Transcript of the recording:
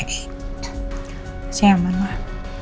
masih aman lah